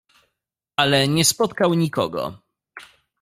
"Ale nie spotkał nikogo."